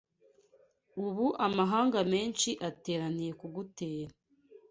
Ubu amahanga menshi ateraniye kugutera